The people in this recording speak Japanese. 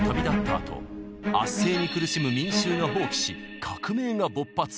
あと圧政に苦しむ民衆が蜂起し革命が勃発。